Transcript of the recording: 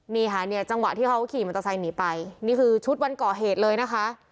นี่ค่ะเนี่ยจังหวะที่เขาขี่มอเตอร์ไซค์หนีไปนี่คือชุดวันก่อเหตุเลยนะคะ